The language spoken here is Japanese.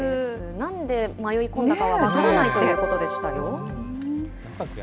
なんで迷い込んだかは、分からないということでしたよ。